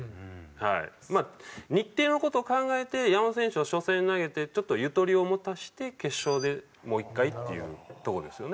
日程の事を考えて山本選手は初戦投げてちょっとゆとりを持たせて決勝でもう一回っていうとこですよね。